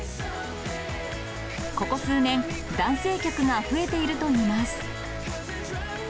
ここ数年、男性客が増えているといいます。